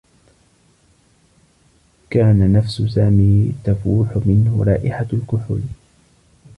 كان نفس سامي تفوح منه رائحة الكحول.